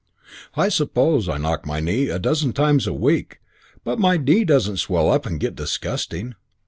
"I suppose I knock my knee a dozen times a week, but my knee doesn't swell up and get disgusting.